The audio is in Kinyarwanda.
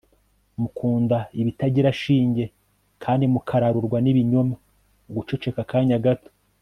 mukunda ibitagira shinge, kandi mukararurwa n'ibinyoma? (guceceka akanya gato